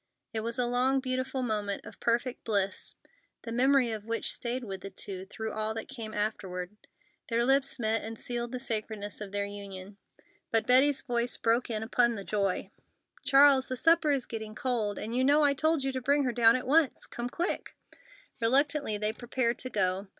It was a long, beautiful moment of perfect bliss, the memory of which stayed with the two through all that came afterward. Then their lips met and sealed the sacredness of their union. But Betty's voice broke in upon the joy: "Charles, the supper is getting cold, and you know I told you to bring her down at once. Come quick!" Reluctantly they prepared to go.